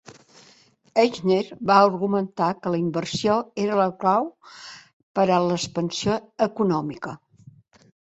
Eichner va argumentar que la inversió era la clau per a l'expansió econòmica.